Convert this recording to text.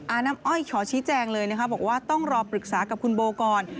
น้ำอ้อยขอชี้แจงเลยนะคะบอกว่าต้องรอปรึกษากับคุณโบก่อน